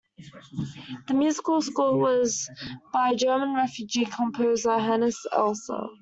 The musical score was by German refugee composer Hanns Eisler.